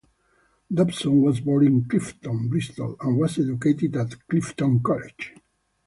Dobson was born in Clifton, Bristol and was educated at Clifton College.